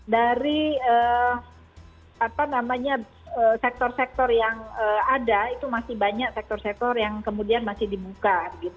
dari sektor sektor yang ada itu masih banyak sektor sektor yang kemudian masih dibuka